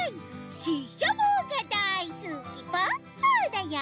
ししゃもがだいすきポッポだよ！